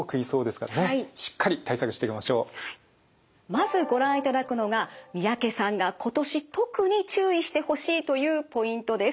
まずご覧いただくのが三宅さんが今年特に注意してほしいというポイントです。